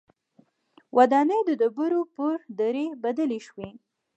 ودانۍ د ډبرو پر ډېرۍ بدلې شوې